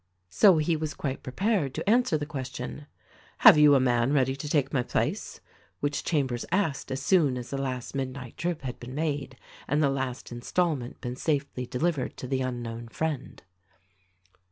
So he was quite prepared to answer the question : "Have you a man ready to take my place ?" which Chambers asked as soon as the last midnight trip had been made and the last installment been safely delivered to the unknown "Friend."